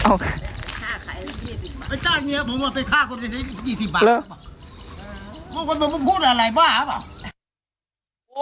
มำบุกว่ามึงพูดอะไรบ้าอับอ่ะ